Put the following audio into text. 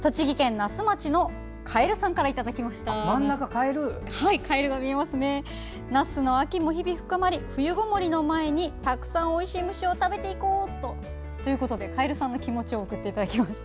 那須の秋も日々深まり冬籠もりの前にたくさんおいしい虫を食べていこう！ということでカエルさんの気持ちを送っていただきました。